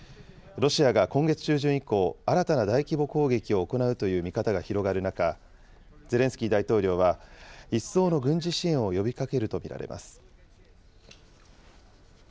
ロシアが今月中旬以降、新たな大規模攻撃を行うという見方が広がる中、ゼレンスキー大統領は、一層の軍事支援を呼びかけると見られます。